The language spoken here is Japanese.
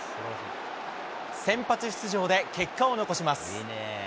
先発出場で結果を残します。